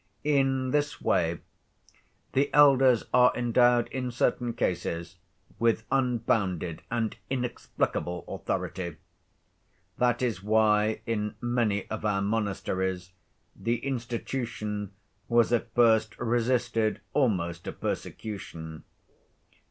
In this way the elders are endowed in certain cases with unbounded and inexplicable authority. That is why in many of our monasteries the institution was at first resisted almost to persecution.